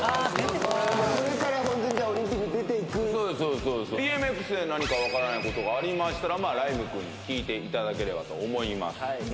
ＢＭＸで何か分からないことがありましたら來夢君に聞いていただければと思います。